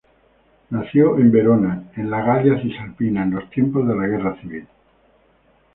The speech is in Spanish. Nació en Verona, en la Galia Cisalpina, en los tiempos de la Guerra Civil.